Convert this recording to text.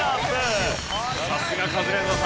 さすがカズレーザーさん。